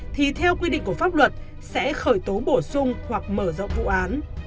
thì theo quy định của pháp luật sẽ khởi tố bổ sung hoặc mở rộng vụ án